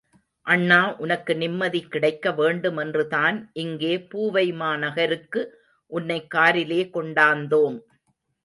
அண்ணா, உனக்கு நிம்மதி கிடைக்க வேண்டுமென்றுதான் இங்கே பூவைமாநகருக்கு உன்னைக் காரிலே கொண்டாந்தோம்.